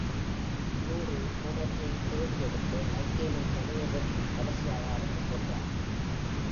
Laurie கோடரியை தேடி எடுத்து, மைக்கேலின் தலையை வெட்டி, கடைசியாக அவனைக் கொன்றாள்.